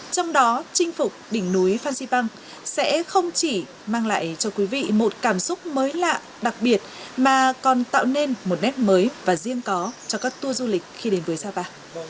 trong đó chinh phục đỉnh núi phan xipang sẽ không chỉ mang lại cho quý vị một cảm xúc mới lạ đặc biệt mà còn tạo nên một nét mới và riêng có cho các tour du lịch khi đến với sapa